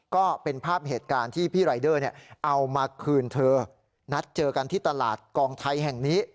ก็เป็นภาพเหตุการณ์ที่พี่รายเดอร์เอามาคืนเธอนัดเจอกันที่ตลาดกองไทยแห่งนี้